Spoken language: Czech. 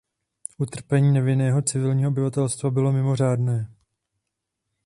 Utrpení nevinného civilního obyvatelstva bylo mimořádné.